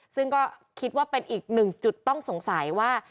ซึ่งก็คิดว่าเป็นอีกหนึ่งจุดต้องสงสัยว่า